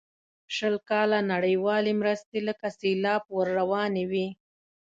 شل کاله نړیوالې مرستې لکه سیلاب ور روانې وې.